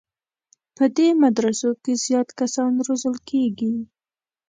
په دې مدرسو کې زیات کسان روزل کېږي.